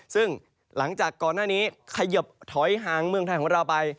ซึ่งหลังจากก่อนหน้านี้ขยบถอยห่างเมืองไทยของเราไป